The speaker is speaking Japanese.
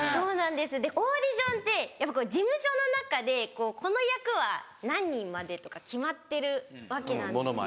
でオーディションって事務所の中でこの役は何人までとか決まってるわけなんです。